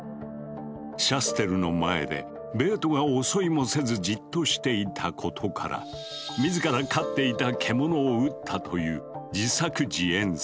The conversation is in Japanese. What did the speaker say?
シャステルの前でベートが襲いもせずじっとしていたことから自ら飼っていた獣を撃ったという自作自演説。